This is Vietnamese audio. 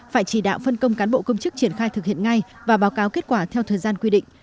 phải chỉ đạo phân công cán bộ công chức triển khai thực hiện ngay và báo cáo kết quả theo thời gian quy định